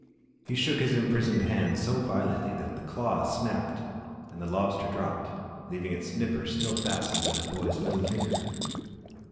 He shook his imprisoned hand so violently that the claw snapped and the lobster dropped leaving its nipper still fastened in the boy's middle finger.